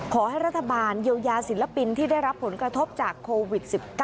ขอให้รัฐบาลเยียวยาศิลปินที่ได้รับผลกระทบจากโควิด๑๙